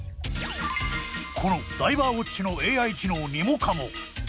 このダイバーウォッチのＡＩ機能ニモカモ！